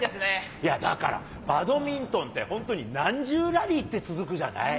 いや、だから、バドミントンって、本当に何十ラリーって続くじゃない。